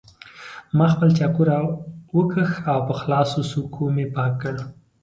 ما خپل چاقو راوکېښ او په خلاصو څوکو مې پاک کړ.